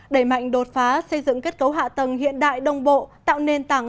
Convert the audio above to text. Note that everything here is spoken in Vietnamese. đẩy mạnh đột phá xây dựng kết cấu hạ tầng hiện đại đồng bộ tạo nền tảng